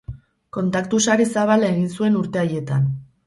Kontaktu sare zabala egin zuen urte haietan.